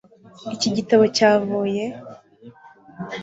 iki gitabo cyavuye